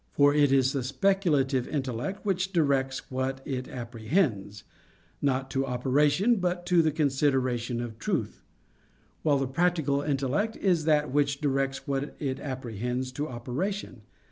For it is the speculative intellect which directs what it apprehends, not to operation, but to the consideration of truth; while the practical intellect is that which directs what it apprehends to operation.